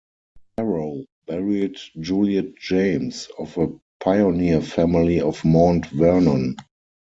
Harrow married Juliette James, of a pioneer family of Mount Vernon.